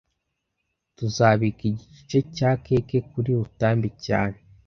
Tuzabika iki gice cya cake kuri Rutambi cyane